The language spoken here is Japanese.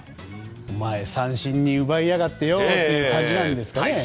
お前、三振に奪いやがってよ！って感じなんですかね。